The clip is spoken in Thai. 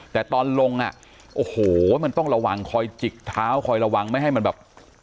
แต่ตอนลงอ่ะโอ้โหมันต้องระวังคอยจิกเท้าคอยระวังไม่ให้มันแบบ